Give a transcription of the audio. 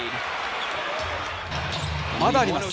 まだあります。